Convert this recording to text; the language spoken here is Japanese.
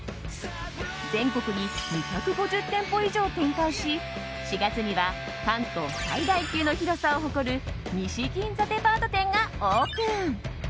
全国に２５０店舗以上を展開し４月には関東最大級の広さを誇る西銀座デパート店がオープン。